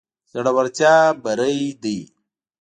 زړورتيا بري ده.